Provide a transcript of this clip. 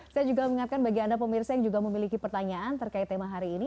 saya juga mengingatkan bagi anda pemirsa yang juga memiliki pertanyaan terkait tema hari ini